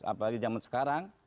apalagi zaman sekarang